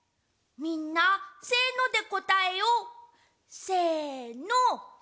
みんなせのでこたえよう！せの！